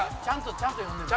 ちゃんと読んでみ。